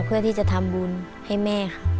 เพื่อที่จะทำบุญให้แม่ค่ะ